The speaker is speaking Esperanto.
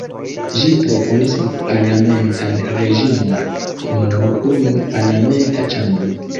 Ĝi proponis parlamentan reĝimon, kun nur unu parlamenta ĉambro.